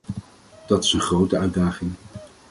Dat is een grote uitdaging.